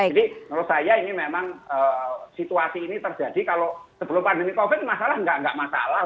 jadi menurut saya ini memang situasi ini terjadi kalau sebelum pandemi covid masalah nggak masalah